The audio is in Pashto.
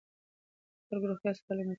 د خلکو روغتیا ساتل لومړیتوب دی.